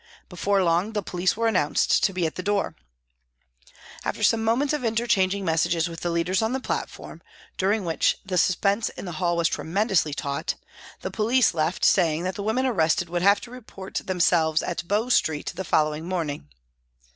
Before long the police were announced to be at the door. After some moments of interchanging messages with the leaders on the platform, during which the suspense in the hall was tremendously taut, the police left saying that the women arrested would have to report themselves at Bow Street the following morning.